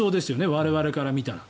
我々から見たら。